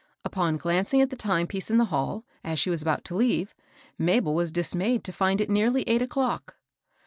Upon glancing at the time piece in the hall, as THE AID SOCIETY. 377 she was about to leave, Mabel was dismayed to find it nearly eight o'clock.